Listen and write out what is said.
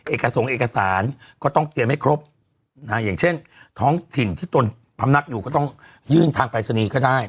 สงค์เอกสารก็ต้องเตรียมให้ครบอย่างเช่นท้องถิ่นที่ตนพำนักอยู่ก็ต้องยื่นทางปรายศนีย์ก็ได้